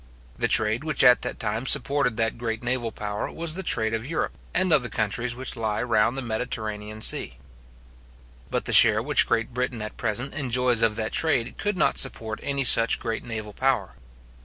The trade which at that time supported that great naval power was the trade of Europe, and of the countries which lie round the Mediterranean sea. But the share which Great Britain at present enjoys of that trade could not support any such great naval power.